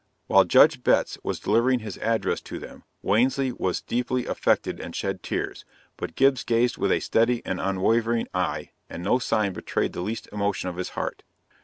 While Judge Betts was delivering his address to them, Wansley was deeply affected and shed tears but Gibbs gazed with a steady and unwavering eye, and no sign betrayed the least emotion of his heart.